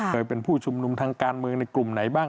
เคยเป็นผู้ชุมนุมทางการเมืองในกลุ่มไหนบ้าง